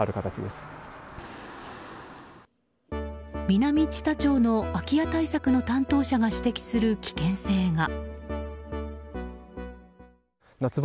南知多町の空き家対策の担当者が指摘する危険性が。